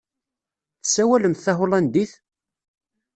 Tessawalemt tahulandit?